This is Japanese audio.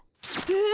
え！